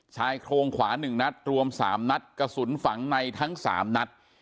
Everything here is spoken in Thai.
ชายโครงขวา๑นัดรวม๓นัดกระสุนฝังในทั้ง๓นัด